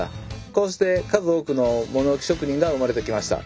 こうして数多くの物置職人が生まれてきました。